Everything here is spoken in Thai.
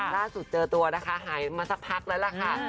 เจอตัวนะคะหายมาสักพักแล้วล่ะค่ะ